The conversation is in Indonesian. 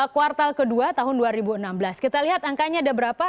kuartal kedua tahun dua ribu enam belas kita lihat angkanya ada berapa